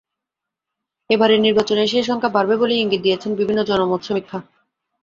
এবারের নির্বাচনে সেই সংখ্যা বাড়বে বলেই ইঙ্গিত দিয়েছে বিভিন্ন জনমত সমীক্ষা।